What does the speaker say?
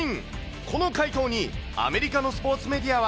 この快投にアメリカのスポーツメディアは。